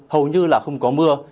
hầu như là không có mưa